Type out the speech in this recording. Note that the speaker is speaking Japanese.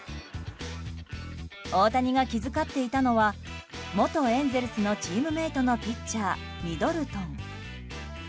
大谷が気遣っていたのは元エンゼルスのチームメートのピッチャー、ミドルトン。